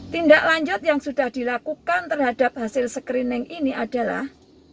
tindak lanjut yang sudah dilakukan terhadap hasil screening ini adalah